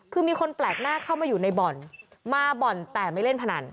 คือมีคนแปลกหน้าเข้ามาอยู่ในบ่อนมาบ่อนแต่ไม่เล่นพนัน